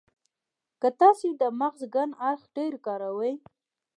که تاسې د مغز کڼ اړخ ډېر کاروئ.